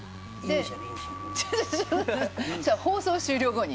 放送終了後に。